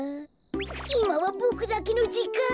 いまはボクだけのじかん。